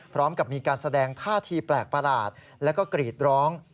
พร้อมกับมีการแสดงท่าทีแปลกประหลาดแล้วก็กรีดร้อง